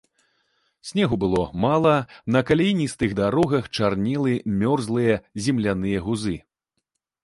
Снегу было мала, на каляіністых дарогах чарнелі мёрзлыя земляныя гузы.